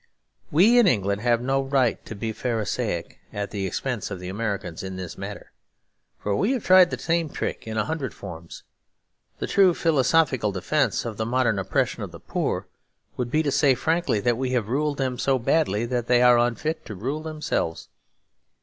We in England have no right to be Pharisaic at the expense of the Americans in this matter; for we have tried the same trick in a hundred forms. The true philosophical defence of the modern oppression of the poor would be to say frankly that we have ruled them so badly that they are unfit to rule themselves.